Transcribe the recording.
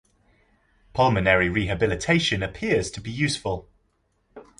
Pulmonary rehabilitation appears to be useful.